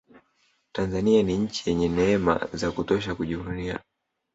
tanzania ni nchi yenye neema za kutosha kujivunia